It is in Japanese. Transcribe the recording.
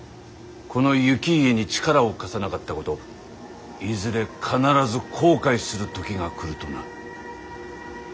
この行家に力を貸さなかったこといずれ必ず後悔する時が来るとな。